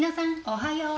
おはよう。